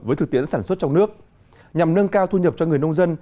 với thực tiễn sản xuất trong nước nhằm nâng cao thu nhập cho người nông dân